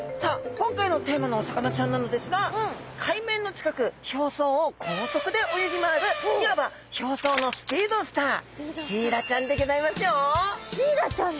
今回のテーマのお魚ちゃんなのですが海面の近く表層を高速で泳ぎ回るいわば表層のスピードスターシイラちゃんでギョざいますよ。